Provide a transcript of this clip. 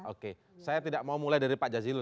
oke saya tidak mau mulai dari pak jazilul